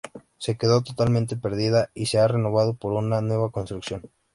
Se quedó totalmente perdida y se ha renovado por una de nueva construcción.